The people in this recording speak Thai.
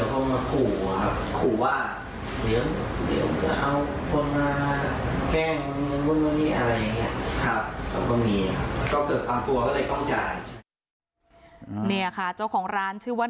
ก็เกิดความตัวก็เลยต้องจ่ายเนี่ยค่ะเจ้าของร้านชื่อว่า